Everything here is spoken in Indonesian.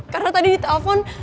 karena tadi di telepon